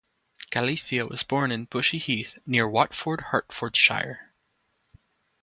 Galica was born in Bushey Heath, near Watford, Hertfordshire.